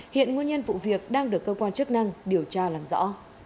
hiện nguyên nhân vụ việc đang được cơ quan chức năng điều tra làm rõ